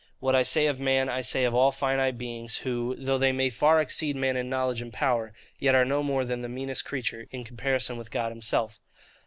What I say of man, I say of all finite beings; who, though they may far exceed man in knowledge and power, yet are no more than the meanest creature, in comparison with God himself.